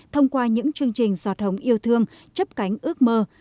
thông qua những chương trình giọt hồng yêu thương chấp cánh ước mơ